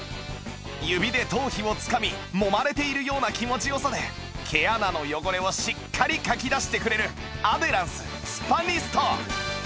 指で頭皮をつかみもまれているような気持ち良さで毛穴の汚れをしっかりかき出してくれるアデランススパニスト